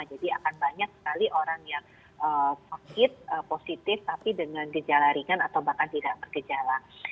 jadi akan banyak sekali orang yang positif tapi dengan gejala ringan atau bahkan tidak bergejala